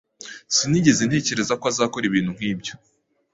Sinigeze ntekereza ko azakora ibintu nkibyo.